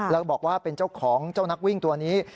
แล้วก็บอกว่าเป็นเจ้าของเจ้านักวิ่งตัวนี้